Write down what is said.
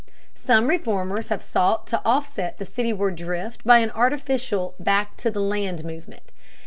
Some reformers have sought to offset the cityward drift by an artificial "back to the land" movement.